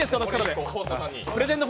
プレゼント